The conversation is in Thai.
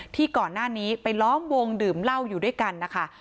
ที่ก่อนหน้านี้ไปล้อมวงดื่มเหล้าอยู่ด้วยกันนะคะ